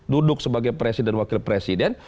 duduk sebagai presiden wakil presiden